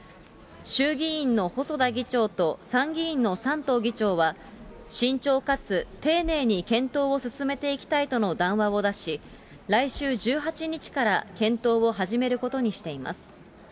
衆議院の細田議長と参議院の山東議長は、慎重かつ丁寧に検討を進めていきたいとの談話を出し、来週１８日から検討を始めることにしています。